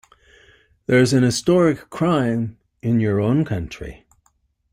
There's an historic crime in your own country.